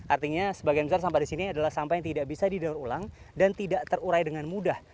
artinya sebagian besar sampah di sini adalah sampah yang tidak bisa didaur ulang dan tidak terurai dengan mudah